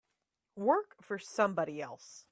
Work for somebody else.